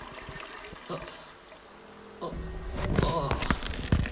あっあああ。